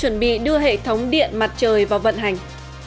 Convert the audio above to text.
thành phố hội an chuẩn bị đưa hệ thống điện mặt trời vào vận hành